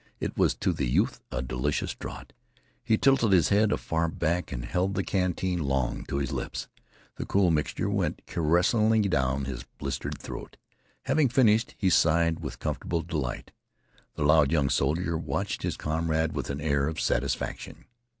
It was to the youth a delicious draught. He tilted his head afar back and held the canteen long to his lips. The cool mixture went caressingly down his blistered throat. Having finished, he sighed with comfortable delight. The loud young soldier watched his comrade with an air of satisfaction.